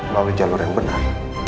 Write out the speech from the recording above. melalui jalur yang benar